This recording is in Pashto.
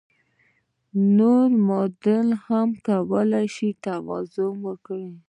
نورې معادلې هم کولای شئ توازن کړئ.